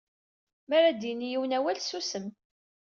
Mi ara d-yini yiwen awal susem.